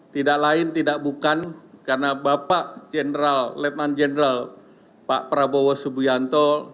tidak lain tidak bukan karena bapak general lieutenant general pak prabowo subianto